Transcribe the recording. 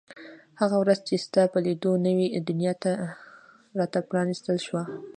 هغه ورځ چې ستا په لیدو نوې دنیا را ته پرانیستل شوه.